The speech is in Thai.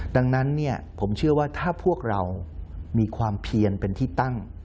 ดังนั้นผมเชื่อว่าถ้าพวกเรามีความเพียนเป็นที่ตั้ง